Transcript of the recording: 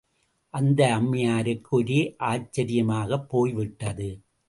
அந்த அம்மையாருக்கு ஒரே ஆச்சரியமாகப் போய் விட்டது.